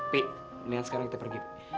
pi dengan sekarang kita pergi